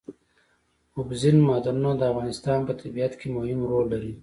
اوبزین معدنونه د افغانستان په طبیعت کې مهم رول لري.